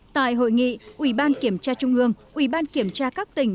tại hội nghị ủy ban kiểm tra trung ương ủy ban kiểm tra các tỉnh